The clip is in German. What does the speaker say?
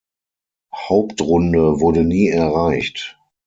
Hauptrunde wurde nie erreicht.